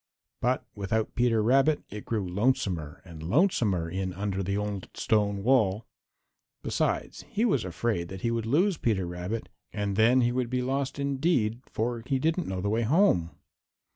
But without Peter Rabbit it grew lonesomer and lonesomer in under the old stone wall. Besides, he was afraid that he would lose Peter Rabbit, and then he would be lost indeed, for he didn't know the way home.